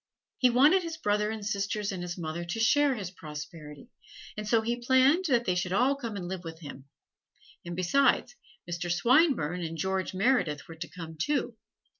He wanted his brother and sisters and his mother to share his prosperity, and so he planned that they should all come and live with him; and besides, Mr. Swinburne and George Meredith were to come, too.